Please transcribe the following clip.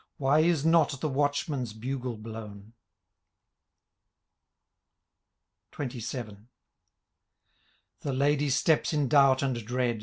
Why is not the watchman's bugle blown ? XXVII. rhe ladye steps in doubt and dread.